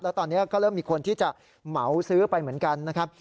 แล้วตอนนี้ก็เริ่มมีคนที่จะเหมาซื้อไปเหมือนกันนะครับ